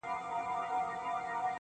ستا د خــولې خـبري يــې زده كړيدي~